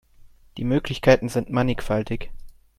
Die Möglichkeiten sind mannigfaltig.